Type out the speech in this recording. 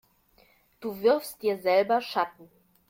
Du wirfst dir selber Schatten.